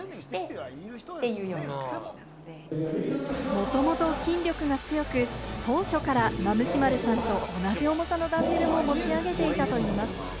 もともと筋力が強く、当初からマムシ〇さんと同じ重さのダンベルを持ち上げていたといいます。